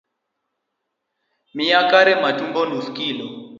Miya kare matumbo nus kilo